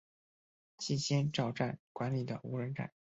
气仙沼站管理的无人站。